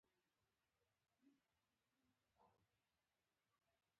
په ټولنیزو او اقتصادي چارو کې برابره ونډه لري.